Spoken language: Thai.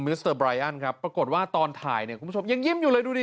สเตอร์ไรอันครับปรากฏว่าตอนถ่ายเนี่ยคุณผู้ชมยังยิ้มอยู่เลยดูดิ